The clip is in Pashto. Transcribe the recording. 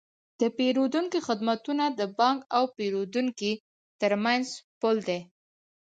د پیرودونکو خدمتونه د بانک او پیرودونکي ترمنځ پل دی۔